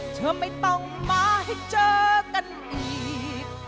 เธอไม่ต้องมาให้เจอกันอีก